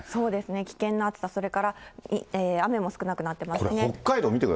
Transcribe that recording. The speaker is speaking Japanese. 危険な暑さ、雨も少なくなってますし。